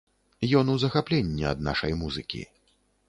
Ён у захапленні ад нашай музыкі.